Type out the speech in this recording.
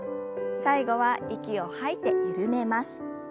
最後は息を吐いて緩めます。